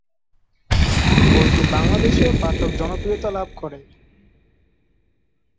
বইটি বাংলাদেশেও পাঠক জনপ্রিয়তা লাভ করে।